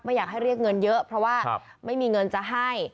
อยากให้เรียกเงินเยอะเพราะว่าไม่มีเงินจะให้